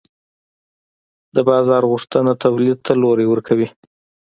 د بازار غوښتنه تولید ته لوری ورکوي.